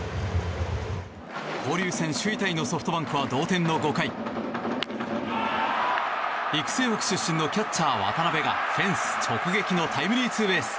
交流戦首位タイのソフトバンクは同点の５回育成枠出身のキャッチャー、渡邉がフェンス直撃のタイムリーツーベース。